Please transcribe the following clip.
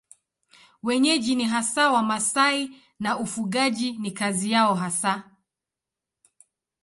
Wenyeji ni hasa Wamasai na ufugaji ni kazi yao hasa.